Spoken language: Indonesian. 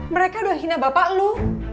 mereka udah hina bapak lho